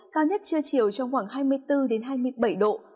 cao nhất trưa chiều trong khoảng hai mươi bốn hai mươi bảy độ